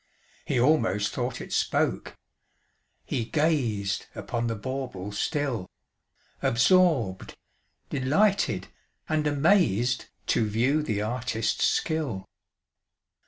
He almost thought it spoke: he gazed Upon the bauble still, Absorbed, delighted, and amazed, To view the artist's skill.